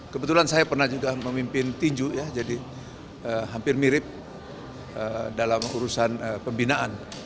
kebetulan saya pernah juga memimpin tinju ya jadi hampir mirip dalam urusan pembinaan